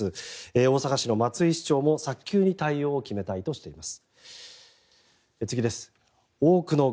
大阪市の松井市長も早急に対応を決めたいとしています。